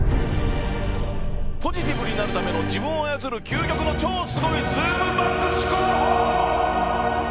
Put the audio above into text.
「ポジティブになるための自分を操る究極の超スゴいズームバック思考法」！